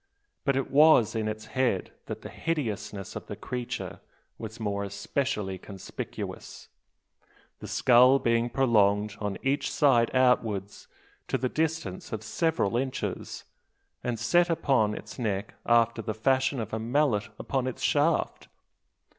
But it was in its head that the hideousness of the creature was more especially conspicuous; the skull being prolonged on each side outwards to the distance of several inches, and set upon its neck after the fashion of a mallet upon its shaft!